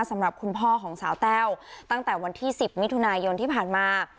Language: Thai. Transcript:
สำหรับคุณพ่อของสาวแต้วตั้งแต่วันที่๑๐มิถุนายนที่ผ่านมา